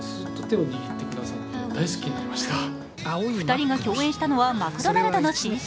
２人が共演したのはマクドナルドの新ＣＭ。